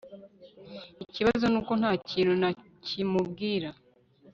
Ikibazo nuko ntakintu nakimubwira